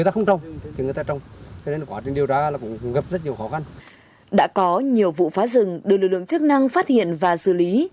các đối tượng được lực lượng chức năng phát hiện và xử lý